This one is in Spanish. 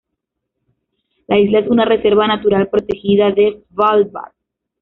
La isla es una reserva natural protegida de Svalbard.